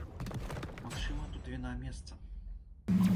Магчыма, тут віна месца.